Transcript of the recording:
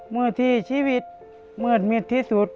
เมื่อที่ชีวิตมืดมิดที่สุด